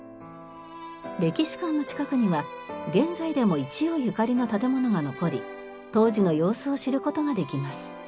歴史館の近くには現在でも一葉ゆかりの建物が残り当時の様子を知る事ができます。